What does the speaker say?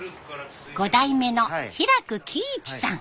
５代目の平工希一さん。